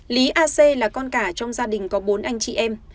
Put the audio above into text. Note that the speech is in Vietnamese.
lý a c là con cả trong gia đình có bốn anh chị em